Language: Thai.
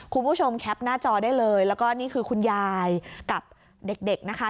คุณผู้ชมแคปหน้าจอได้เลยแล้วก็นี่คือคุณยายกับเด็กนะคะ